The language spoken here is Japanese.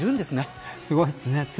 すごいですね。